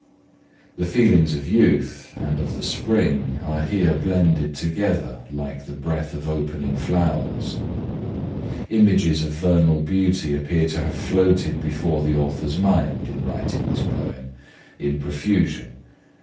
The feelings of youth and of the spring are here blended together like the breath of opening flowers. Images of vernal beauty appear to have floated before the author's mind, in writing this poem, in profusion.